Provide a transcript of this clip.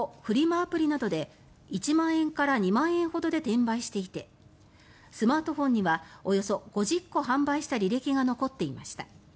アプリなどで１万円から２万円ほどで転売していてスマートフォンにはおよそ５０個販売した履歴が残っていました。